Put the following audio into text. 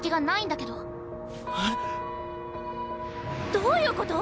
どういうこと？